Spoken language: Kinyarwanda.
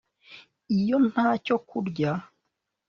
iyo ntacyo kurya